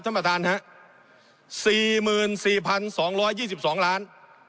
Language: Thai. ท่านประทานฮะสี่หมื่นสี่พันสองร้อยยี่สิบสองล้าน